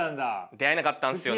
出会えなかったんですよね。